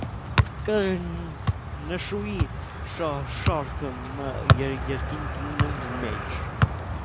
Կը նշուի շարք մը երկիրներու մէջ։